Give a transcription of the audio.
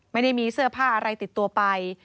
ไม่ได้มีเสื้อผ้าอะไรติดตัวไป